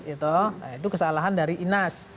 itu kesalahan dari inas